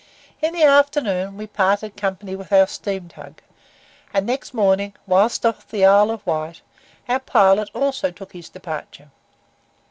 In the afternoon we parted company with our steam tug, and next morning, whilst off the Isle of Wight, our pilot also took his departure.